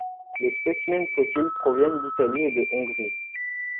Les spécimens fossiles proviennent d'Italie et de Hongrie.